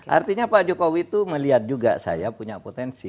artinya pak jokowi itu melihat juga saya punya potensi